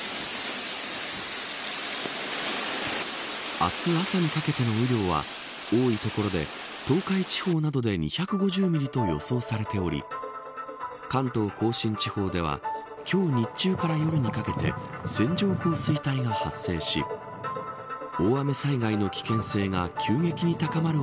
明日、朝にかけての雨量は多い所で東海地方などで２５０ミリと予想されており関東甲信地方では今日日中から夜にかけて線状降水帯が発生し「キュキュット」